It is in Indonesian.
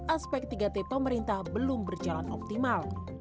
aspek tiga t pemerintah belum berjalan optimal